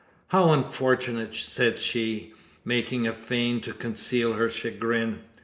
"How unfortunate!" said she, making a feint to conceal her chagrin.